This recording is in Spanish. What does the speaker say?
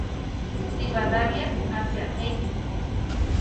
Rivadavia, hacia Av.